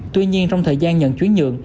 tuy nhiên trong thời gian nhận chuyển nhượng